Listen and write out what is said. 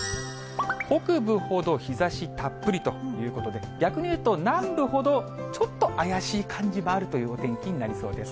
北部ほど日ざしたっぷりということで、逆に言うと、南部ほどちょっと怪しい感じもあるというお天気になりそうです。